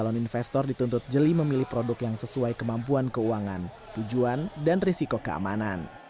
mereka memiliki kemampuan keuangan tujuan dan risiko keamanan